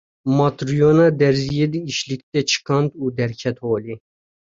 Matryona derziyê di îşlik de çikand û derket holê.